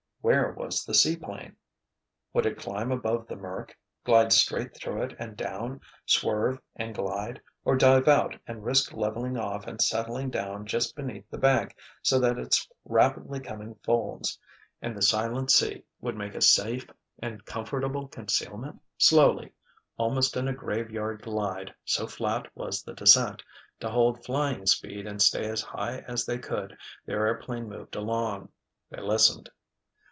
Where was the seaplane? Would it climb above the murk, glide straight through it and down, swerve and glide—or dive out and risk leveling off and setting down just beneath the bank so that its rapidly coming folds, and the silent sea would make a safe and comfortable concealment? Slowly, almost in a "graveyard" glide, so flat was the descent, to hold flying speed and stay as high as they could, their airplane moved along. They listened.